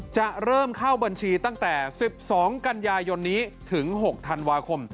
จะเริ่มเข้าบัญชีตั้งแต่๑๒กันยายนนี้ถึง๖ธันวาคม